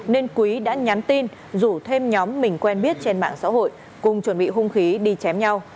nên quý đã nhắn tin rủ thêm nhóm mình quen biết trên mạng xã hội cùng chuẩn bị hung khí đi chém nhau